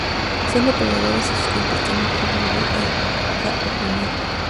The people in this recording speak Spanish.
Son depredadores y sus dientes tienen forma de daga o puñal.